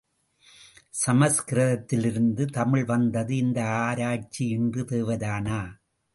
சமஸ்கிருதத்திலிருந்து தமிழ் வந்தது இந்த ஆராய்ச்சி இன்று தேவைதானா?